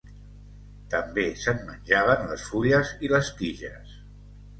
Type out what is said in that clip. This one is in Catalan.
També se'n menjaven les fulles i les tiges.